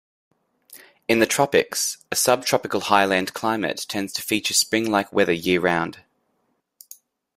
In the tropics, a subtropical highland climate tends to feature spring-like weather year-round.